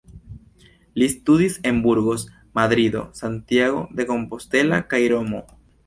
Li studis en Burgos, Madrido, Santiago de Compostela kaj Romo.